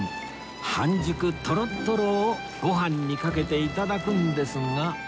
半熟トロトロをご飯にかけて頂くんですが